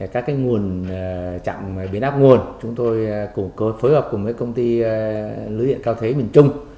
các nguồn chặng biến áp nguồn chúng tôi phối hợp cùng công ty lưới điện cao thế bình trung